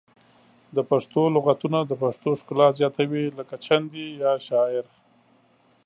پښتو لغتونه د پښتو ښکلا زیاتوي لکه چندي یا شاعر